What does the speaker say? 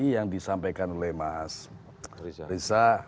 yang disampaikan oleh mas riza